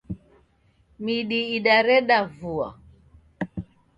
Midi idareda vua.